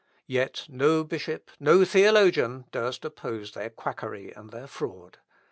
Yet no bishop, no theologian, durst oppose their quackery and their fraud.